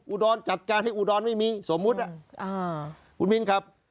อุดรจัดการให้อุดรไม่มีสมมุติคุณมินครับ